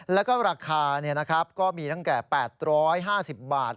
แล้วก็ราคาก็มีตั้งแต่๘๕๐บาท